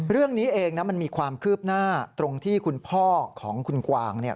เรื่องนี้เองนะมันมีความคืบหน้าตรงที่คุณพ่อของคุณกวางเนี่ย